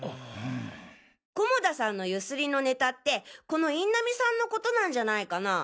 菰田さんのゆすりのネタってこの印南さんのことなんじゃないかな？